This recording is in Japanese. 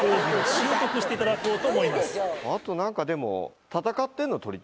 あと何かでも。